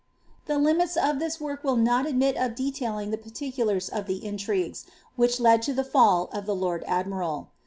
I limits of this work will not admit of detailing the particulars of Liigues which led to the fall of the lord admiral.